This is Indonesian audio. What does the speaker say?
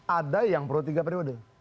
ada yang protiga periode